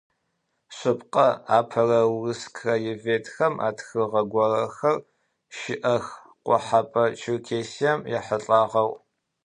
Шъыпкъэ, апэрэ урыс краеведхэм атхыгъэ горэхэр щыӏэх Къохьэпӏэ Черкесием ехьылӏагъэу.